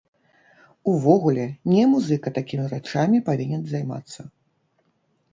Увогуле не музыка такімі рэчамі павінен займацца.